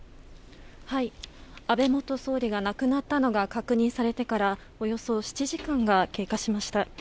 安倍元総理が亡くなったのが確認されてからおよそ７時間が経過しました。